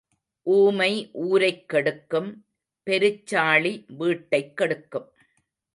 ஊமை ஊரைக் கெடுக்கும், பெருச்சாளி வீட்டைக் கெடுக்கும்.